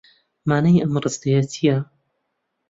مانای ئەم ڕستەیە چییە؟